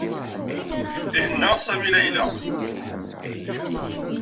Ihenna Sami Layla.